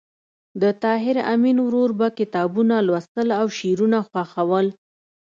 د طاهر آمین ورور به کتابونه لوستل او شعرونه خوښول